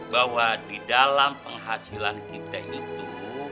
bahwa di dalam penghasilan kita itu